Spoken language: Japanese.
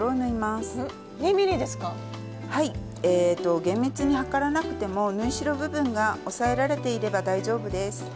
えと厳密に測らなくても縫い代部分が押さえられていれば大丈夫です。